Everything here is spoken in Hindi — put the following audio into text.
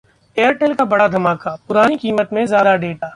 Airtel का बड़ा धमाका, पुरानी कीमत में ज्यादा डेटा